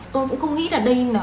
tôi cũng không nghĩ là đây là